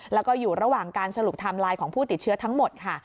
แล้วก็อยู่ระหว่างการสรุปไทม์ไลน์ของผู้ติดเชื้อทั้งหมดค่ะ